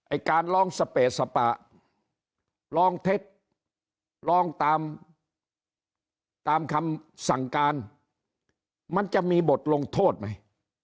การลองสเปสปะลองเท็จลองตามตามคำสั่งการมันจะมีบทลงโทษไหม